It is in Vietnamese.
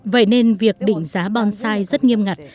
vậy nên việc định giá bonsai rất nghiêm ngặt